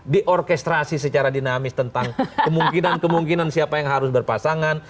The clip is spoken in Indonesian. diorkestrasi secara dinamis tentang kemungkinan kemungkinan siapa yang harus berpasangan